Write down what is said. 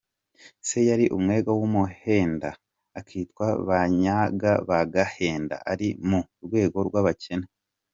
Se yari umwega w’umuhenda, akitwa Banyaga ba Gahenda, ari mu rwego rw’abakene.